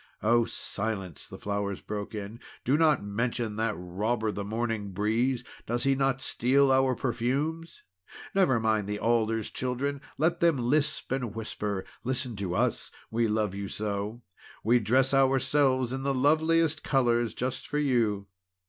"Oh silence!" the flowers broke in. "Do not mention that robber, the Morning Breeze! Does he not steal our perfumes! Never mind the Alders, children, let them lisp and whisper. Listen to us! We love you so! We dress ourselves in the loveliest colours just for you!"